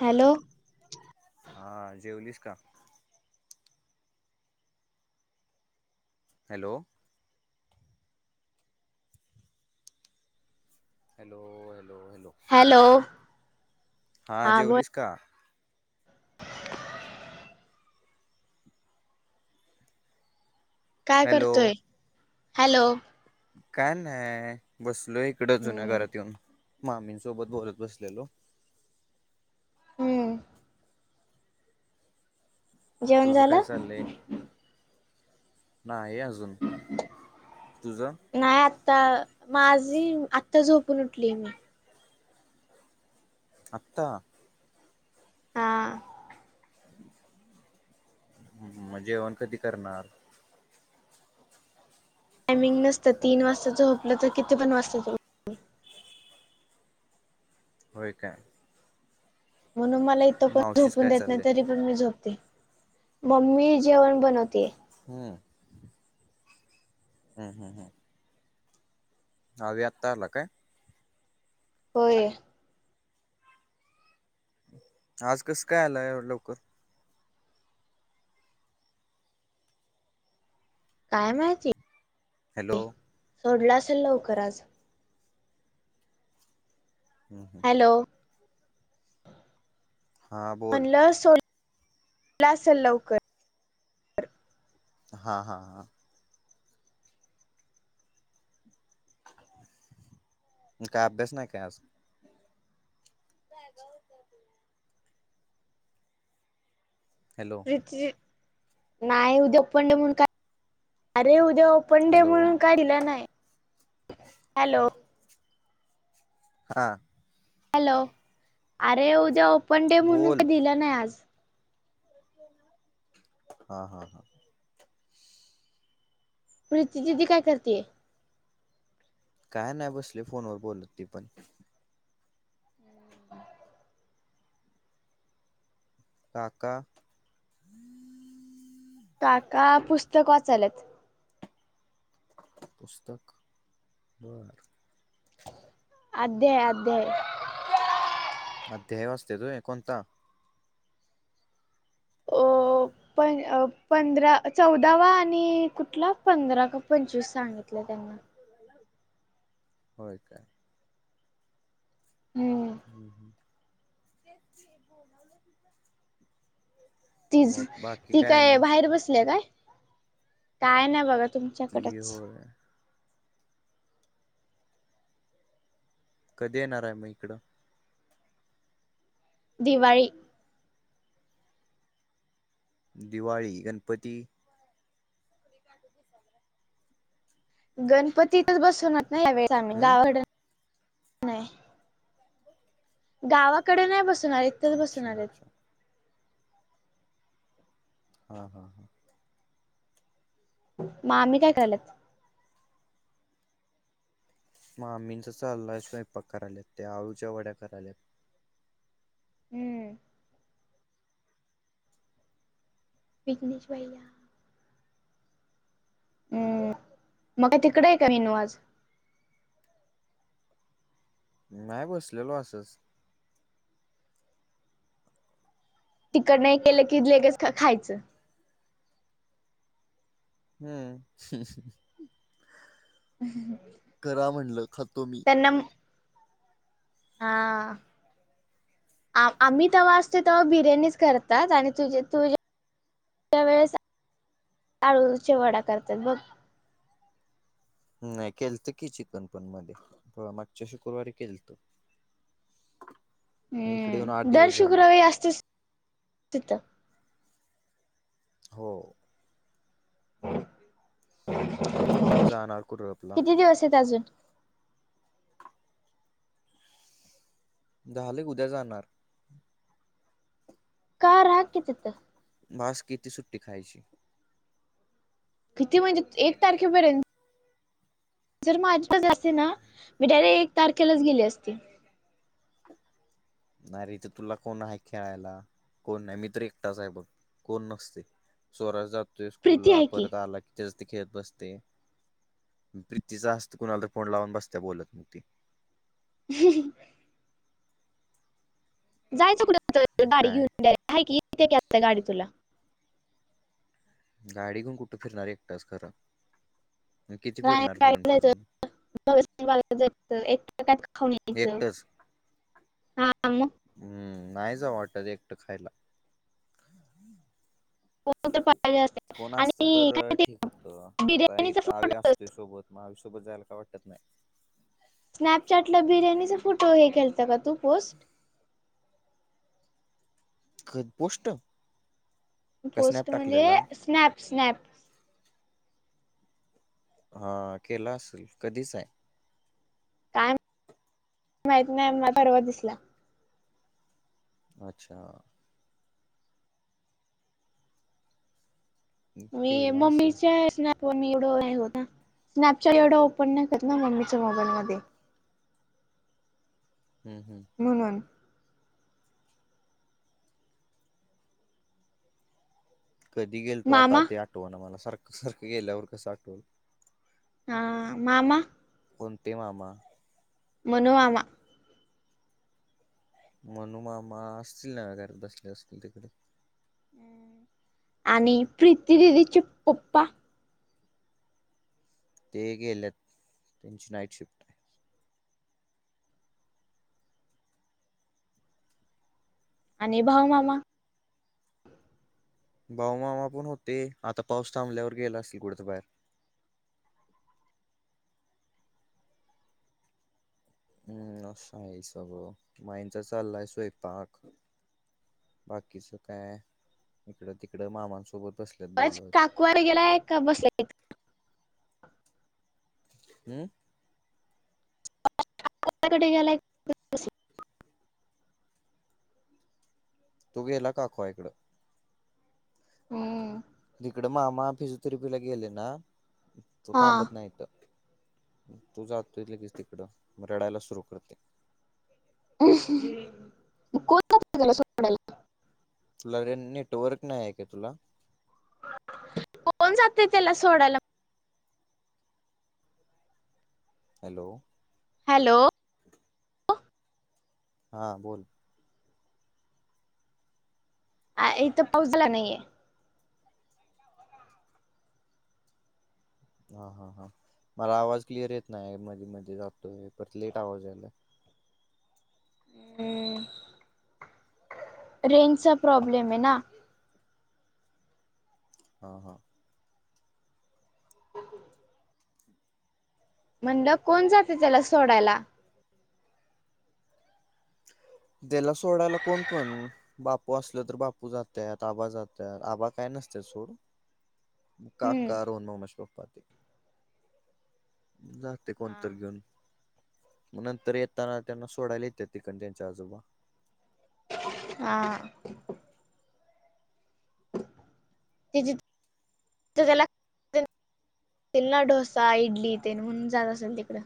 Hello. हा... जेवलीस का? Hello. Hello hello hello. Hello. हा... जेवलीस का? काय हॅलो करतोय... हॅलो. काय नाय... बसलोय इकडं जुन्या हम्म घरात येऊन... मामींसोबत बोलत बसलेलो. हम्म. जेवण तुझं काय झालं चाललंय? नाही अजून... तुझं? नाही आत्ता... माझी... आत्ता झोपून उठली मी. आत्ता? हा. मग जेवण कधी करणार? टायमिंग नसतं, तीन वाजता झोपलं तर किती पण वास्ता होय का? म्हणून मला इथं कोण मावशीच झोपून काय देत नाय चाललंय तरी पण मी झोपते... मम्मी जेवण बनवतीये. हूं. हूं हूं हूं. अवी, आत्ता आला काय? होय. आज कसं काय आला एवढ्या लवकर? काय माहिती? हॅलो सोडलं असल लवकर आज. हूं. हॅलो... हां बोल म्हणलं सोडलं सोडलं असेल लवकर. हा हा हा. काय अभ्यास नाही काय आज? [unintelligible] हॅलो. नाय उद्या ओपन डे आहे म्हणून काय अरे उ उद्या ओपन डे हॅलो म्हणून काय दिलं नाय... हॅलो हा. हॅलो... अरे उद्या ओपन डे हाये म्हणून बोल काय दिलं नाही आज. हा हा हा. प्रीती दिदी काय करतीये? काय नाही... बसलीय फोनवर बोलत ती पण. काका? काका पुस्तक वाचायलेत. पुस्तक? बर. अध्याय अध्याय. अध्याय वाचत्यात होय. कोणता? अ. प पंधरा, चौदावा- आणि कुठला पंधरा का पंचवीस सांगितला त्यांनी. होय का? हं. हं हं [unintelligible] ती ती काय बाहेर बसली काय? काय नाही बघा. ती तुमच्याकडेच. होय कधी येणार आहे मग इकडं? दिवाळी. दिवाळी, गणपती? गणपतीच तर बसवणार ना यावेळे आम्ही हम्म गावाकड- गावाकड नाही बसवनारेत. अच्छा अच्छा. हा हा हा. मामी काय करायल्यात? मामीचं चाललंय स्वयंपाक करायल्यात त्या. आळूच्या वड्या करायल्यात. हं. विगनेश भैय्या. हं. मग काय तिकडे आहे का निन्नू आज? नाही बसलेलो असंच. तिकडंन हे केलं की लगेच खायचं. हं. ह ह करा म्हणलं. खातो मी. त्यांना- हा. आ आम्ही तेव्हा असतो तेव्हा बिर्याणीच करतात. आणि तुझे तु- -झ्या वेळेस आळूच्या वड्या करतात बघ. नाही केलत की चिकनपण मध्ये. मागच्या शुक्रवारी केलतो. [unintelligible] हं. येऊन आठ दर दिवस झाले. शुक्रवारी असतयच तिथ. हो. तो आता उद्या जाणार कुठं आपला? किती दिवस आहेत अजून झाल उद्या जाणार. का? राहा की तिथ. बास किती सुट्टी खायची? किती म्हणजे? एक तारखेपर्यंत. जर माजीपण असते ना, मी डायरेक्ट एक तारखेलाच गेली असते. नाही रे इथे तुला कोण आहे खेळायला? कोण नाही. मी तर एकटाच आहे बघ. कोण नसतेय. स्वराज जातोय प्रीती स्कूलला आहे परत आला की- तेच ते खेळत बसते. प्रीतीचा असत कुणाला तर फोन लावून बसते बोलत मग ती. ह [unintelligible] जायचं कुठ मग गाडी काय घेऊन जायचं द्या आहे की इथे गाडी तुला गाडी घेऊन कुठे फिरणार एकटाच खरं किती [unintelligible] फिरणार फिरून जायचं फिरून एकटं एकटं खाऊन यायचं एकटंच हा मग हम्म नाही जावं वाटत एकटं खायला. कोण तर पाहिजे असते कोण असतं आणि तर काय ते ठीक होत आता बिर्याणीचा इथं अव्या फोटो असता सोबत मग आयुष्यभर जायला काय वाटत नाही. स्नॅपचॅट ला बिर्याणीचा फोटो हे केलता का तू पोस्ट? कधी पोस्ट? का पोस्ट स्नॅप म्हणजे टाकलेला स्नॅप स्नॅप. हा केला असेल कधीचा आहे? काय माहित नाही मला परवा दिसला. अच्छा मी केला असेल मम्मीच्या हेत ना पण मी एवढ नाही होत ना स्नॅपचॅट एवढं ओपन नाही करत ना मम्मीच्या मोबाईल मध्ये. हम्म हम म्हणून कधी गेल तो आता मामा तेआठवाना मला सारखं सारखं गेल्यावर कसं आठवल? हा मामा कोणतं मामा? मनु मामा मनू मामा असतील ना घरात बसले असतील तिकडे. आणि प्रीती दिदीचे पप्पा? ते गेलेत त्यांची नाईट शिफ्ट आहे. आणि भाऊ मामा? भाऊमामा पण होते आता पाऊस थांबल्यावर गेला असतील कुठं तरी बाहेर. हम्म असं आहे सगळं माईचा चाललाय स्वयपाक. बाकीचं काय इकडं तिकडं मामांसोबत बसलं. काकू [unintelligible] गेलाय का बसला? हम्म [unintelligible] कुठे गेलायत? तो गेलाय काकू आय कडं. हम्म तिकडं मामा फिजोथेरपीला गेले ना तो हा थांबत नाहीत इकडं. तू जातो लगेच तिकडं मग रडायला सुरु करते. [unintelligible] तुला रे नेटवर्क नाही आहे का तुला? कोण जातंय त्याला सोडायला? हॅलो हॅलो हा बोल. आ इथं पाऊस झाला नाहीये. हां हां हां मला आवाज क्लिअर येत नाही मध्ये मध्ये जातोय परत लेट आवाज यायला हम्म रेंजचा प्रॉब्लेम आहे ना. हा हा [inaudible] म्हणलं कोण जातं त्याला सोडायला? त्याला सोडायला कोण पण. बापू असलं तर बापू जात्यात, आबा जात्या, आबा काय नसता सोड. हम्म काका [unintelligible] पााती जाते कोणतरी घेऊन. मग नंतर येताना त्यांना सोडायला येत्यात. तिकडणं त्यांचे आजोबा. हा ते तर त्याला ना डोसा इडली ते म्हून जात असेल तिकडं.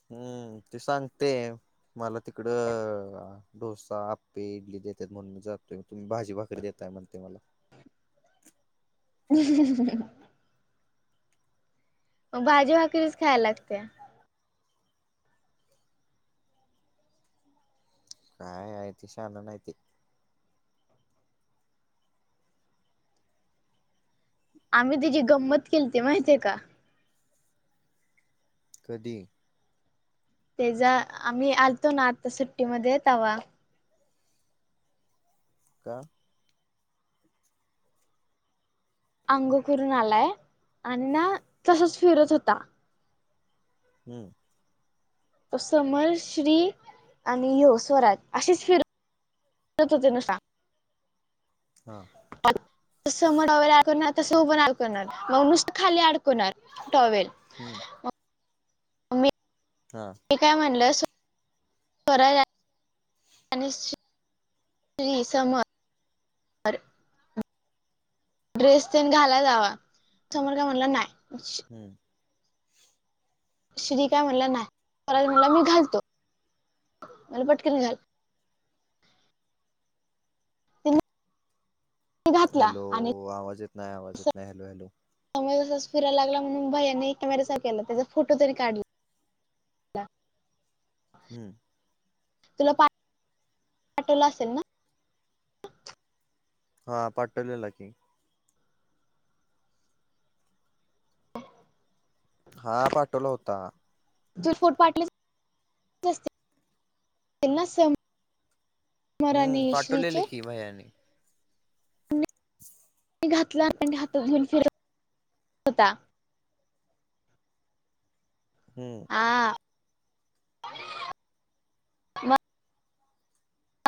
हम्म ते सांगते मला तिकडं. डोसा आपे इडली देतेत म्हणून मी जातोय तुम्ही भाजी भाकरी देतय म्हणते मला. [inaudible] भाजी भाकरीच खायला लागते. काय आहेयती शान नाहीती. आम्ही त्यािची गंमत केली त माहितीे का. कधी? तेचा आम्ही आलतो ना आता सुट्टीमध्ये तवा का? अंगो करून आलाय आणि ना तसच फिरत होता. हम्म तो समर श्री आणि यो स्वराज अशीच फिरत त तो तनसां अच्छा! समोर वगैरे अडकवणार तसंोबण अडकवणार मग नुसतं खाली अडकवणार. टॉवेल. [inaudible] [inaudible] हा. ते काय म्हणलं स निश्चित. त समर. ड्रेस ते घाला जावा समोर का म्हणला नाही. हम्. श्री काय म्हणला नाही म्हणला मी घालतो मला पटकने घाल [inaudible] घातला हॅलो आणि आवाज येत नाही आवाज येत नाही हॅलो हॅलो. समज तसाच फिरायला लागला म्हून भैयानी कॅमेचा केला त्याचा फोटो तरी काढला. हम्म तुला पाठवलं असेल ना. हा पाठवलेला की. हा पाठवला होता. जुडफोड पाठले स मरा न श्रीचे. किमायाने. [inaudible] घातला आणि हातात घेऊन फिरत होता. हम्म. आ.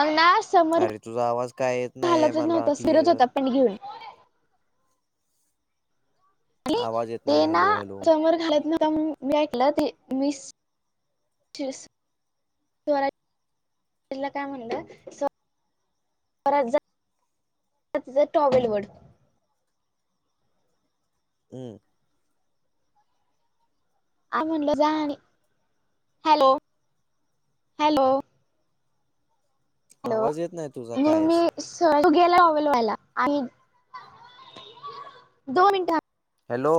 अन ना समर अरे तुझा आवाज काय येत नाही घालायतच मला नव्हता. फिरच होता क्लिअर पण घेऊन. आणि आवाज येत ते नाही ना हॅलो हॅलो समर घालत नव्हता. मग मी ऐकलं ते मी ला [inaudible] काय म्हणता? स्वराज जा तीचा टॉवेलवड. हम्म. आ म्हणल जा, हॅलो हॅलो. हॅलो. आवाज येत नाही तुझा म मी कायच. सलू गेला टॉवेलवडायला आणि दोन मिनिटं ह. हॅलो.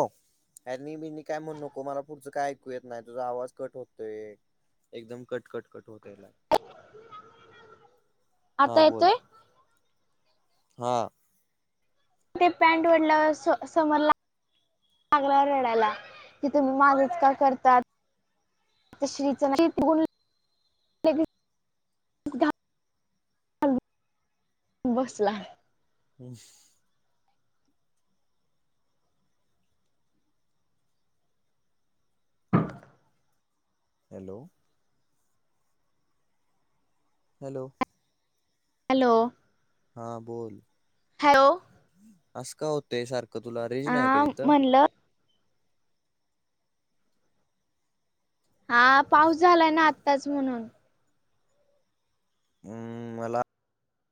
यानी बीनी काय म्हणू नको. मला पुढचं काय ऐकू येत नाही. तुझा आवाज कट होतोय. एकदम कट कट कट होतयला. आता हा बोल येतोय? हा. ते पॅनट वढडल्यावर, स समर ला लागला रडायला. तुम्ही माझंच का करता? आ श्रीच तघून [inaudible] [inaudible] [unintelligible] बसला. ह. हॅलो. हॅलो. हॅलो. हां बोल. हॅलो. असं का होतंय सारखं तुला. रेंज नाही का हा तिथं? म्हणलं हा पाऊस झालाय ना, आत्ताच म्हणून. हम्म मला